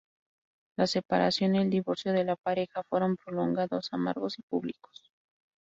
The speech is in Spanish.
La separación y el divorcio de la pareja fueron prolongados, amargos y públicos.